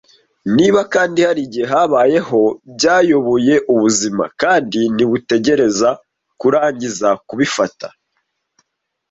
Niba kandi harigihe habayeho byayoboye ubuzima, kandi ntibutegereze kurangiza kubifata,